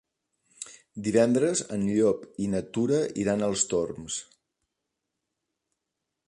Divendres en Llop i na Tura iran als Torms.